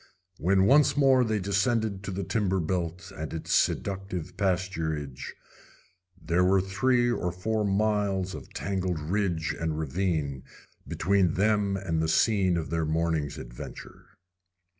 When once more they descended to the timber belt and its seductive pasturage there were three or four miles of tangled ridge and ravine between them and the scene of their morning's adventure.